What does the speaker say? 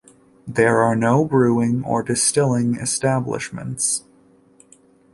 There are no brewing or distilling establishments.